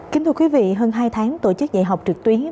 kính thưa quý vị hơn hai tháng tổ chức dạy học trực tuyến